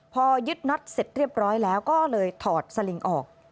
พอยึดน็อตเสร็จเรียบร้อยแล้วก็เลยถอดสลิงออก